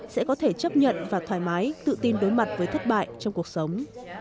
sẽ có thể chấp nhận và thoải mái tự tin đối mặt với thất bại trong cuộc sống